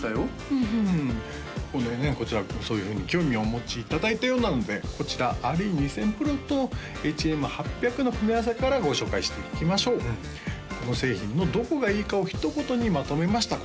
ふんふんそれでねこちらそういうふうに興味をお持ちいただいたようなのでこちらＲＥ２０００ＰｒｏとＨＭ８００の組み合わせからご紹介していきましょうこの製品のどこがいいかをひと言にまとめました